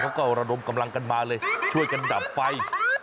กระดมกำลังกันมาเลยช่วยกันดับไฟ